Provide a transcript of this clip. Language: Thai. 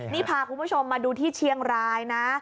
นี่พาคุณผู้ชมมาดูที่เชียงรายนะ